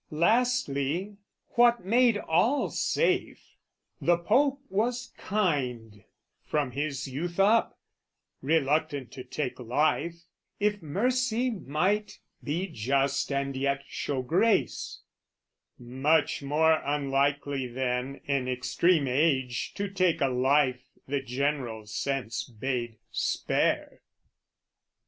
Lastly, what made all safe, the Pope was kind, From his youth up, reluctant to take life, If mercy might be just and yet show grace; Much more unlikely then, in extreme age, To take a life the general sense bade spare.